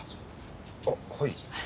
あっはい。